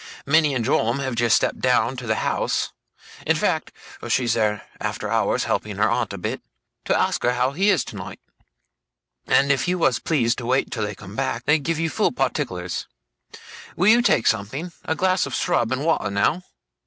Minnie and Joram have just stepped down to the house, in fact (she's there, after hours, helping her aunt a bit), to ask her how he is tonight; and if you was to please to wait till they come back, they'd give you full partic'lers. Will you take something? A glass of srub and water, now?